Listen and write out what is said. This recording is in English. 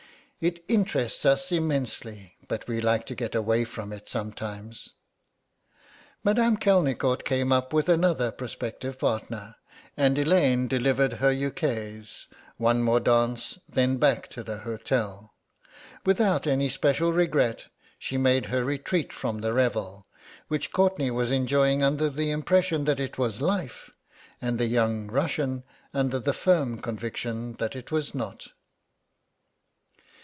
It interests us immensely, but we like to get away from it sometimes." Madame Kelnicort came up with another prospective partner, and Elaine delivered her ukase: one more dance and then back to the hotel. Without any special regret she made her retreat from the revel which Courtenay was enjoying under the impression that it was life and the young Russian under the firm conviction that it was not.